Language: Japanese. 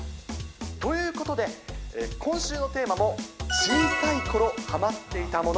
ということで、今週のテーマも、小さい頃ハマっていたもの。